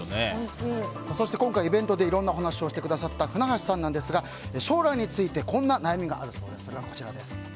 今回イベントでいろんなお話をしてくださった船橋さんなんですが将来についてこんな悩みがあるそうです。